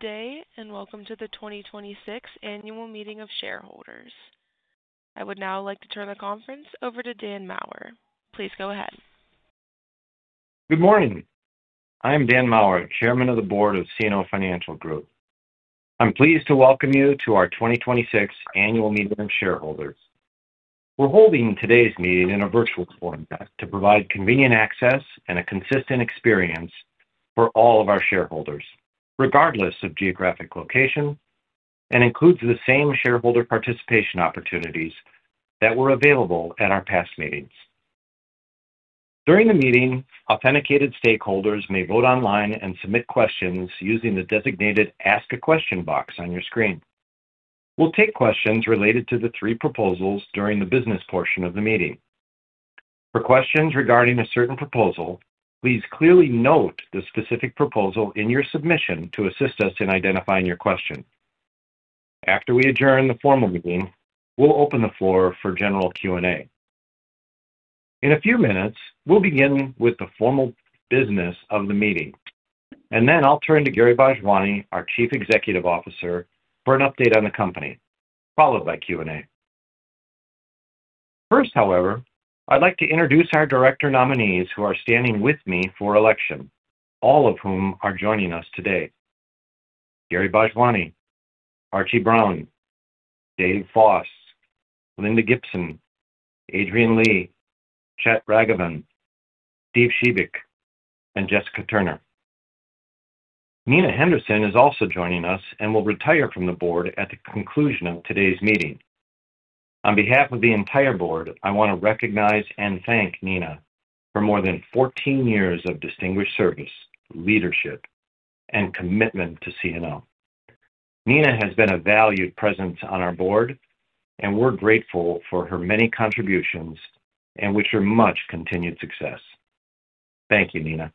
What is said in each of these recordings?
Good day. Welcome to the 2026 Annual Meeting of Shareholders. I would now like to turn the conference over to Daniel Maurer. Please go ahead. Good morning. I am Daniel Maurer, Chairman of the Board of CNO Financial Group. I'm pleased to welcome you to our 2026 Annual Meeting of Shareholders. We're holding today's meeting in a virtual format to provide convenient access and a consistent experience for all of our shareholders, regardless of geographic location, and includes the same shareholder participation opportunities that were available at our past meetings. During the meeting, authenticated stakeholders may vote online and submit questions using the designated Ask a question box on your screen. We'll take questions related to the three proposals during the business portion of the meeting. For questions regarding a certain proposal, please clearly note the specific proposal in your submission to assist us in identifying your question. After we adjourn the formal meeting, we'll open the floor for general Q&A. In a few minutes, we'll begin with the formal business of the meeting, and then I'll turn to Gary Bhojwani, our Chief Executive Officer, for an update on the company, followed by Q&A. First, however, I'd like to introduce our director nominees who are standing with me for election, all of whom are joining us today. Gary Bhojwani, Archie Brown, Dave Foss, Linda Gibson, Adrianne Lee, Chet Ragavan, Steven Shebik, and Jessica Turner. Nina Henderson is also joining us and will retire from the board at the conclusion of today's meeting. On behalf of the entire board, I want to recognize and thank Nina for more than 14 years of distinguished service, leadership, and commitment to CNO. Nina has been a valued presence on our board and we're grateful for her many contributions and wish her much continued success. Thank you, Nina.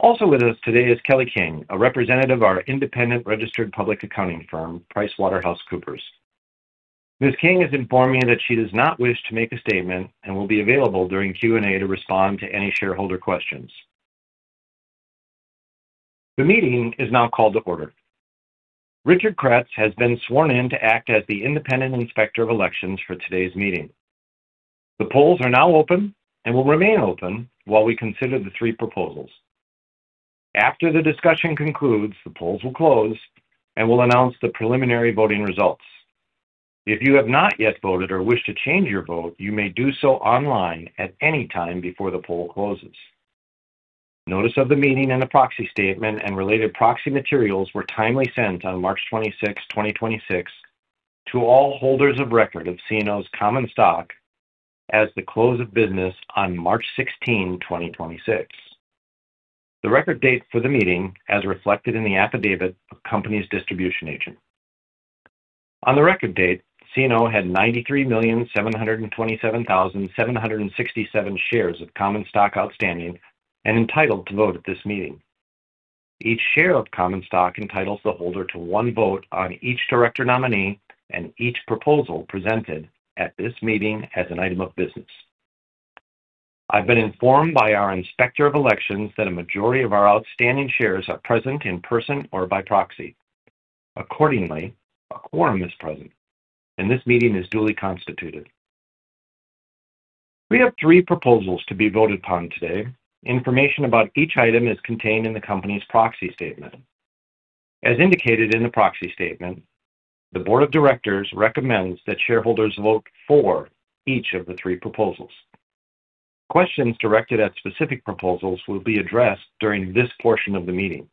Also with us today is Kelly King, a representative of our independent registered public accounting firm, PricewaterhouseCoopers. Ms. King has informed me that she does not wish to make a statement and will be available during Q&A to respond to any shareholder questions. The meeting is now called to order. Richard Kratz has been sworn in to act as the independent Inspector of Elections for today's meeting. The polls are now open and will remain open while we consider the three proposals. After the discussion concludes, the polls will close, and we'll announce the preliminary voting results. If you have not yet voted or wish to change your vote, you may do so online at any time before the poll closes. Notice of the meeting and the proxy statement and related proxy materials were timely sent on March 26th, 2026 to all holders of record of CNO's common stock as of the close of business on March 16, 2026. The record date for the meeting as reflected in the affidavit of company's distribution agent. On the record date, CNO had 93,727,767 shares of common stock outstanding and entitled to vote at this meeting. Each share of common stock entitles the holder to one vote on each director nominee and each proposal presented at this meeting as an item of business. I've been informed by our Inspector of Elections that a majority of our outstanding shares are present in person or by proxy. Accordingly, a quorum is present and this meeting is duly constituted. We have three proposals to be voted upon today, information about each item is contained in the company's proxy statement. As indicated in the proxy statement, the Board of Directors recommends that shareholders vote for each of the three proposals. Questions directed at specific proposals will be addressed during this portion of the meeting.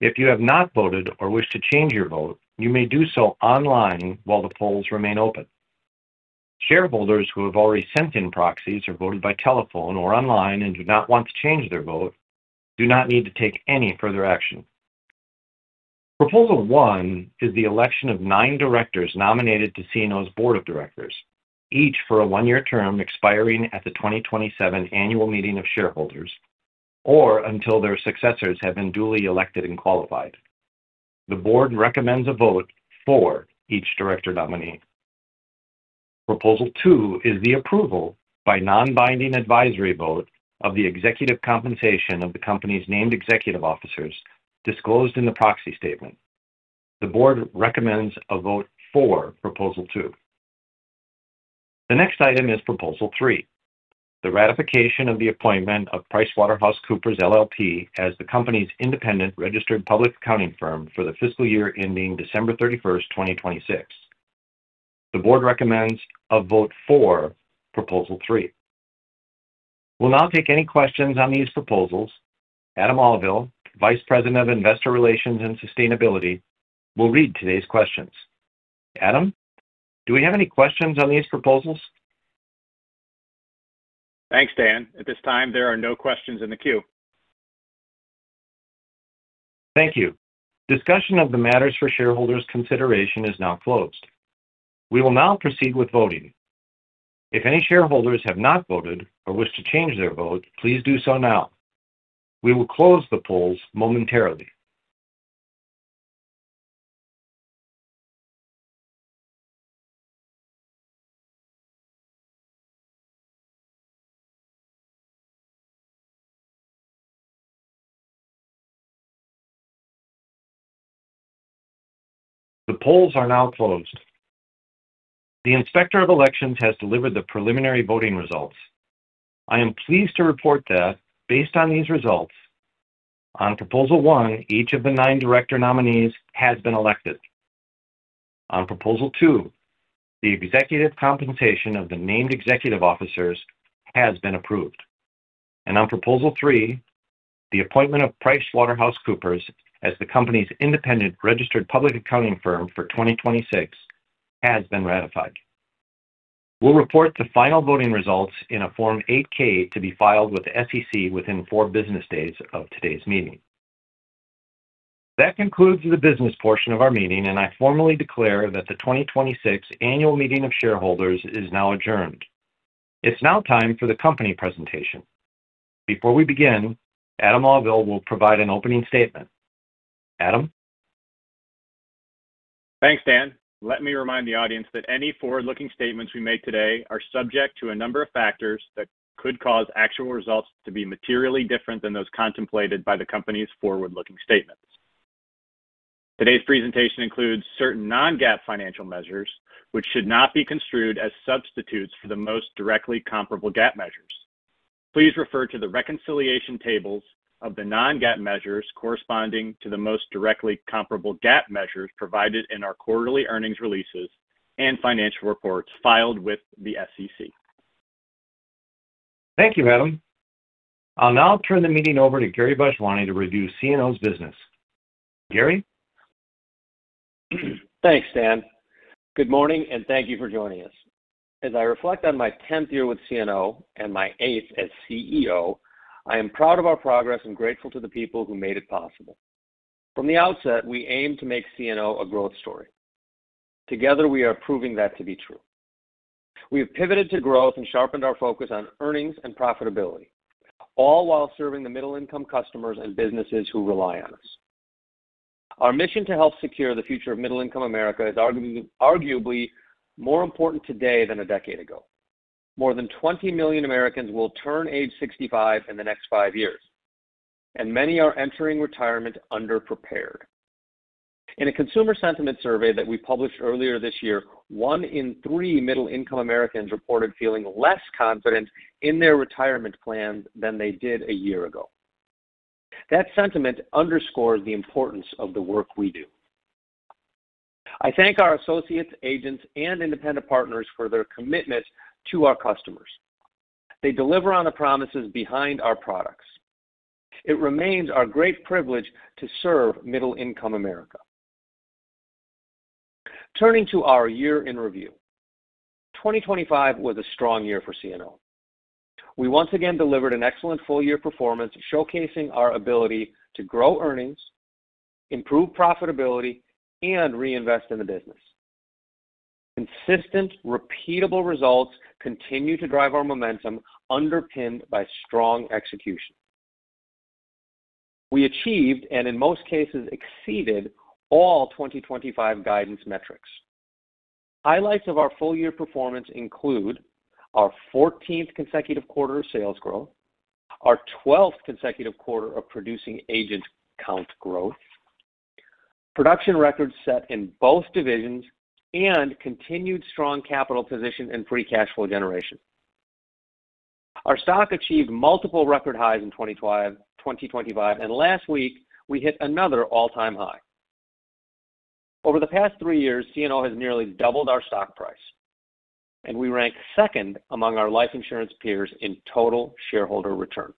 If you have not voted or wish to change your vote, you may do so online while the polls remain open. Shareholders who have already sent in proxies or voted by telephone or online and do not want to change their vote do not need to take any further action. Proposal one is the election of nine directors nominated to CNO's board of directors, each for a one-year term expiring at the 2027 Annual Meeting of Shareholders or until their successors have been duly elected and qualified. The board recommends a vote for each director nominee. Proposal two is the approval by non-binding advisory vote of the executive compensation of the company's named executive officers disclosed in the proxy statement. The board recommends a vote for proposal two. The next item is proposal three, the ratification of the appointment of PricewaterhouseCoopers LLP as the company's independent registered public accounting firm for the fiscal year ending December 31st, 2026. The board recommends a vote for proposal three. We'll now take any questions on these proposals. Adam Auvil, Vice President of Investor Relations and Sustainability, will read today's questions. Adam, do we have any questions on these proposals? Thanks, Dan. At this time, there are no questions in the queue. Thank you. Discussion of the matters for shareholders' consideration is now closed. We will now proceed with voting. If any shareholders have not voted or wish to change their vote, please do so now, we will close the polls momentarily. The polls are now closed. The Inspector of Elections has delivered the preliminary voting results. I am pleased to report that based on these results, on proposal one, each of the nine director nominees has been elected. On proposal two, the executive compensation of the named executive officers has been approved. On proposal three, the appointment of PricewaterhouseCoopers as the company's independent registered public accounting firm for 2026 has been ratified. We'll report the final voting results in a Form 8-K to be filed with the SEC within four business days of today's meeting. That concludes the business portion of our meeting, and I formally declare that the 2026 annual meeting of shareholders is now adjourned. It's now time for the company presentation. Before we begin, Adam Auvil will provide an opening statement. Adam? Thanks, Dan. Let me remind the audience that any forward-looking statements we make today are subject to a number of factors that could cause actual results to be materially different than those contemplated by the company's forward-looking statements. Today's presentation includes certain non-GAAP financial measures, which should not be construed as substitutes for the most directly comparable GAAP measures. Please refer to the reconciliation tables of the non-GAAP measures corresponding to the most directly comparable GAAP measures provided in our quarterly earnings releases and financial reports filed with the SEC. Thank you, Adam. I'll now turn the meeting over to Gary Bhojwani to review CNO's business. Gary? Thanks, Dan. Good morning, and thank you for joining us. As I reflect on my 10th year with CNO and my eighth as CEO, I am proud of our progress and grateful to the people who made it possible. From the outset, we aim to make CNO a growth story. Together, we are proving that to be true. We have pivoted to growth and sharpened our focus on earnings and profitability, all while serving the middle-income customers and businesses who rely on us. Our mission to help secure the future of middle-income America is arguably more important today than a decade ago. More than 20 million Americans will turn age 65 in the next five years, and many are entering retirement underprepared. In a consumer sentiment survey that we published earlier this year, one in three middle-income Americans reported feeling less confident in their retirement plans than they did a year ago. That sentiment underscores the importance of the work we do. I thank our associates, agents, and independent partners for their commitment to our customers. They deliver on the promises behind our products. It remains our great privilege to serve middle-income America. Turning to our year in review, 2025 was a strong year for CNO. We once again delivered an excellent full-year performance showcasing our ability to grow earnings, improve profitability, and reinvest in the business. Consistent, repeatable results continue to drive our momentum, underpinned by strong execution. We achieved, and in most cases, exceeded all 2025 guidance metrics. Highlights of our full year performance include, our 14th consecutive quarter of sales growth, our 12th consecutive quarter of producing agent count growth, production records set in both divisions, and continued strong capital position and free cash flow generation. Our stock achieved multiple record highs in 2025 and last week we hit another all-time high. Over the past three years, CNO has nearly doubled our stock price and we rank second among our life insurance peers in total shareholder return.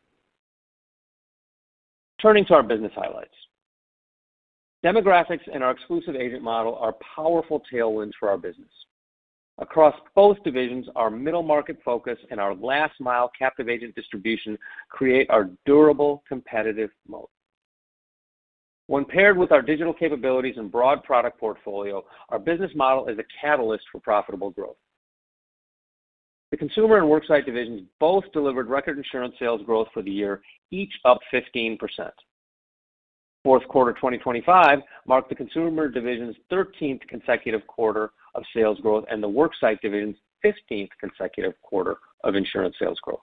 Turning to our business highlights. Demographics and our exclusive agent model are powerful tailwinds for our business. Across both divisions, our middle market focus and our last mile captive agent distribution create our durable competitive moat. When paired with our digital capabilities and broad product portfolio, our business model is a catalyst for profitable growth. The consumer and worksite divisions both delivered record insurance sales growth for the year, each up 15%. Fourth quarter 2025 marked the consumer division's 13th consecutive quarter of sales growth and the worksite division's 15th consecutive quarter of insurance sales growth.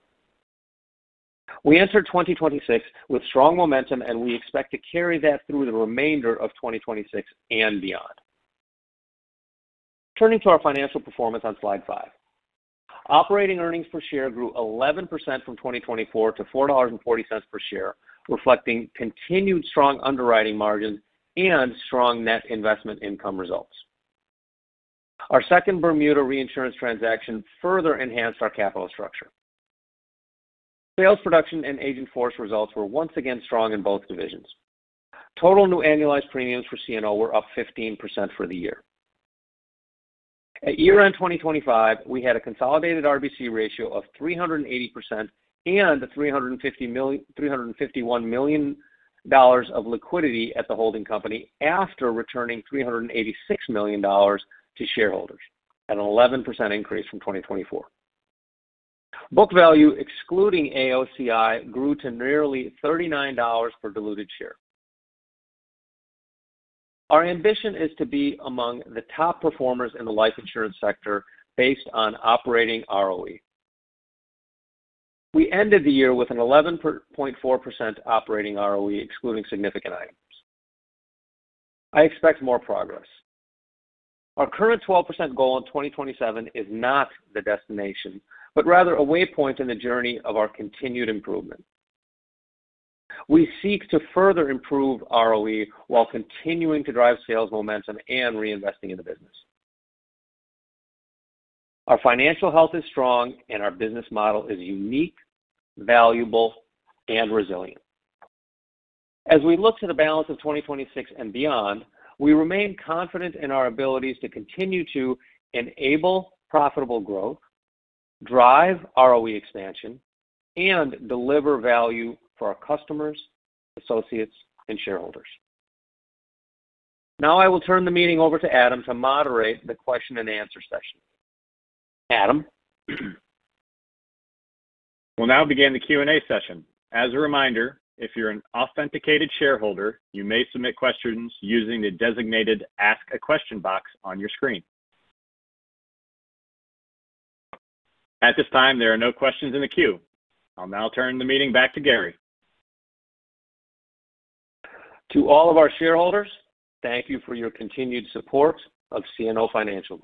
We enter 2026 with strong momentum and we expect to carry that through the remainder of 2026 and beyond. Turning to our financial performance on slide five. Operating earnings per share grew 11% from 2024 to $4.40 per share, reflecting continued strong underwriting margins and strong net investment income results. Our second Bermuda reinsurance transaction further enhanced our capital structure. Sales production and agent force results were once again strong in both divisions. Total new annualized premiums for CNO were up 15% for the year. At year-end 2025, we had a consolidated RBC ratio of 380% and $351 million of liquidity at the holding company after returning $386 million to shareholders, an 11% increase from 2024. Book value, excluding AOCI, grew to nearly $39 per diluted share. Our ambition is to be among the top performers in the life insurance sector based on operating ROE. We ended the year with an 11.4% operating ROE, excluding significant items. I expect more progress. Our current 12% goal in 2027 is not the destination, but rather a waypoint in the journey of our continued improvement. We seek to further improve ROE, while continuing to drive sales momentum and reinvesting in the business. Our financial health is strong, our business model is unique, valuable, and resilient. As we look to the balance of 2026 and beyond, we remain confident in our abilities to continue to enable profitable growth, drive ROE expansion, and deliver value for our customers, associates, and shareholders. Now I will turn the meeting over to Adam to moderate the question and answer session. Adam? We'll now begin the Q&A session. As a reminder, if you're an authenticated shareholder, you may submit questions using the designated Ask a question box on your screen. At this time, there are no questions in the queue. I'll now turn the meeting back to Gary. To all of our shareholders, thank you for your continued support of CNO Financial.